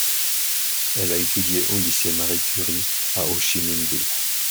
Elle a étudié au lycée Marie Curie à Hô-Chi-Minh-Ville.